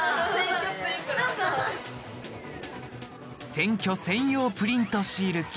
選挙専用プリントシール機